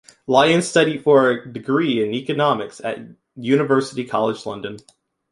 Lyons studied for a degree in Economics at University College London.